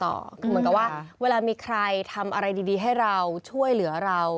คือเหมือนกับว่าเวลามีใครทำอะไรดีให้เราช่วยเหลือเรา